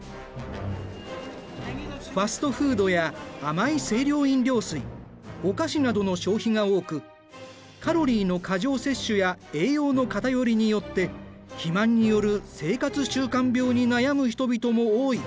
ファストフードや甘い清涼飲料水お菓子などの消費が多くカロリーの過剰摂取や栄養の偏りによって肥満による生活習慣病に悩む人々も多い。